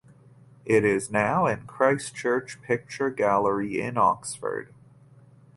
It is now in Christ Church Picture Gallery in Oxford.